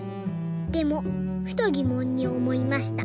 でもふとぎもんにおもいました。